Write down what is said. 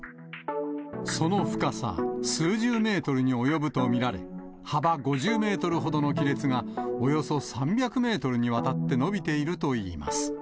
その深さ数十メートルに及ぶと見られ、幅５０メートルほどの亀裂がおよそ３００メートルにわたって延びているといいます。